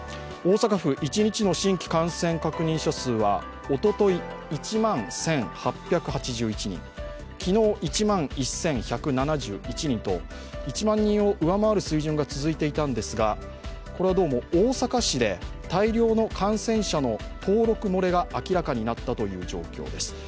大阪府、一日の新規感染確認者数はおととい１万１８８１人、昨日１万１１７１人と１万人を上回る水準が続いていたんですがどうも大阪市で大量の感染者の登録漏れが明らかになったという状況です。